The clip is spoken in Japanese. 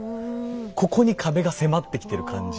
ここに壁が迫ってきてる感じ。